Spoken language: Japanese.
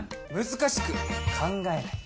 難しく考えない。